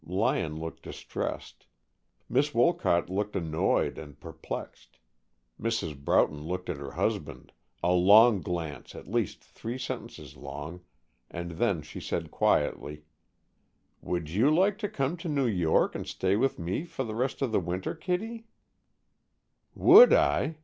Lyon looked distressed. Miss Wolcott looked annoyed and perplexed. Mrs. Broughton looked at her husband, a long glance, at least three sentences long, and then she said quietly, "Would you like to come to New York and stay with me for the rest of the winter, Kittie?" "Would I?"